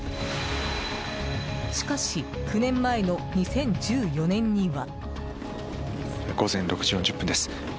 しかし、９年前の２０１４年には。